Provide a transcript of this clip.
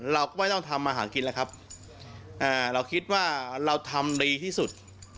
เราก็ไม่ต้องทำมาหากินแล้วครับเราคิดว่าเราทำดีที่สุด